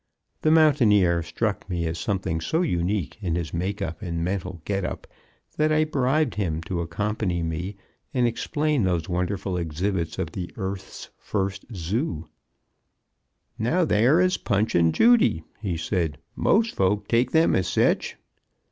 The mountaineer struck me as something so unique in his make up and mental get up that I bribed him to accompany me and explain those wonderful exhibits of the earth's first zoo. "Now there is Punch and Judy," he said; "most folks take them as sech."